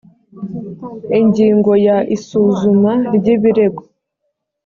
ingingo ya isuzuma ry ibirego